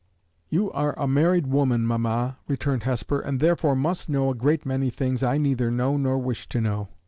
"You are a married woman, mamma," returned Hesper, "and therefore must know a great many things I neither know nor wish to know.